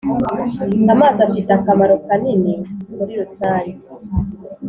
amazi afite akamaro kanini muri rusange